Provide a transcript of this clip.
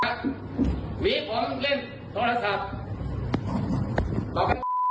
หวีออกมันเล่นโทรศัพท์